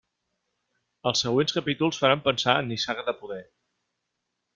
Els següents capítols faran pensar en Nissaga de poder.